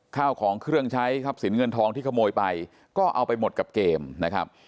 ข้าวของเครื่องใช้ทรัพย์สินเงินทองที่ขโมยไปก็เอาไปหมดกับเกมนะครับ